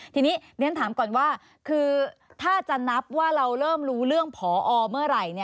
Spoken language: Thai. ทีนี้เรียนถามก่อนว่าคือถ้าจะนับว่าเราเริ่มรู้เรื่องผอเมื่อไหร่